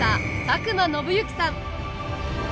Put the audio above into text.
佐久間宣行さん。